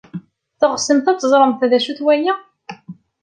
Teɣsemt ad teẓremt d acu-t waya?